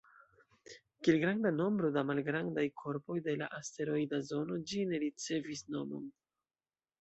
Kiel granda nombro da malgrandaj korpoj de la asteroida zono, ĝi ne ricevis nomon.